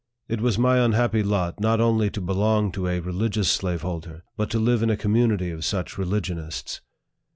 It was my unhappy lot not only to belong to a religious slaveholder, but to live in a community of such religionists.